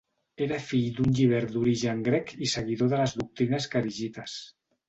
Era fill d'un llibert d'origen grec i seguidor de les doctrines kharigites.